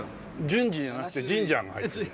「純次」じゃなくて「ジンジャー」が入ってる。